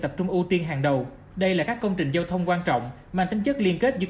tập trung ưu tiên hàng đầu đây là các công trình giao thông quan trọng mang tính chất liên kết giữa